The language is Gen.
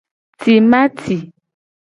Timati.